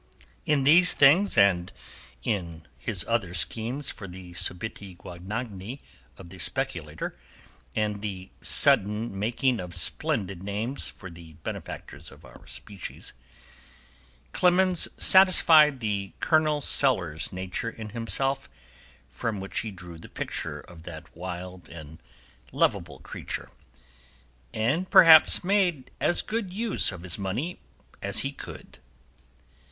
In these things, and in his other schemes for the 'subiti guadagni' of the speculator and the "sudden making of splendid names" for the benefactors of our species, Clemens satisfied the Colonel Sellers nature in himself (from which he drew the picture of that wild and lovable figure), and perhaps made as good use of his money as he could.